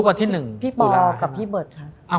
ก็มีพี่พกับพี่เบิร์ตครับ